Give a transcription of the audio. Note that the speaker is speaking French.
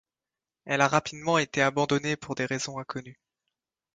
Elle a rapidement été abandonnée pour des raisons inconnues.